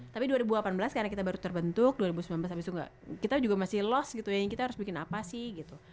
tapi dua ribu delapan belas karena kita baru terbentuk dua ribu sembilan belas abis itu nggak kita juga masih lost gitu ya kita harus bikin apa sih gitu